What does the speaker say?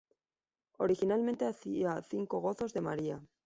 Originalmente había cinco gozos de María.